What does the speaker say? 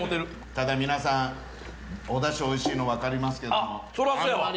ただ皆さんおダシおいしいの分かりますけども。